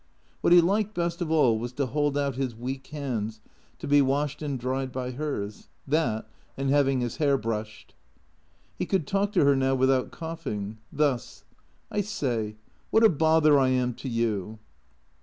What he liked best of all was to hold out his weak hands to be washed and dried by hers; that, and having his hair brushed. He could talk to her now without coughing. Thus —" I say, what a bother I am to you."